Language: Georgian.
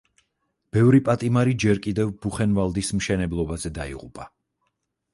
ბევრი პატიმარი ჯერ კიდევ ბუხენვალდის მშენებლობაზე დაიღუპა.